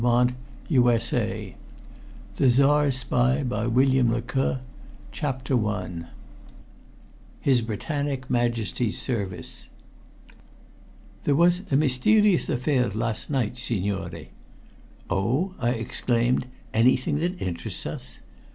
CONTAINS ELMA'S STORY CONCLUSION CHAPTER I HIS BRITANNIC MAJESTY'S SERVICE "There was a mysterious affair last night, signore." "Oh!" I exclaimed. "Anything that interests us?"